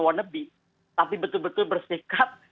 wannaby tapi betul betul bersikap